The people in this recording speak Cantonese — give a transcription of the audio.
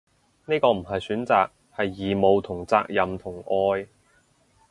呢個唔係選擇，係義務同責任同愛